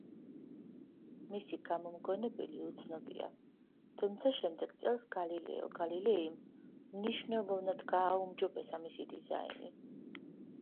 მისი გამომგონებელი უცნობია, თუმცა შემდეგ წელს გალილეო გალილეიმ მნიშვნელოვნად გააუმჯობესა მისი დიზაინი.